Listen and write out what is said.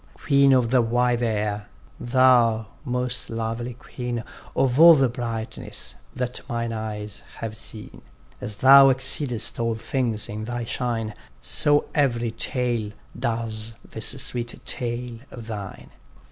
Queen of the wide air; thou most lovely queen Of all the brightness that mine eyes have seen! As thou exceedest all things in thy shine, So every tale, does this sweet tale of thine.